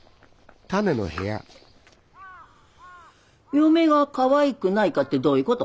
嫁がかわいくないかってどういうこと？